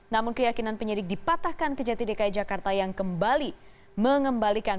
namun keyakinan penyidik dipatahkan ke jati dki jakarta yang kembali mengembalikan